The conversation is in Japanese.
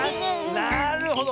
なるほど。